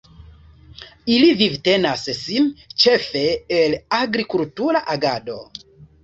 Ili vivtenas sin ĉefe el agrikultura agado.